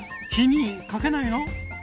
火にかけないの？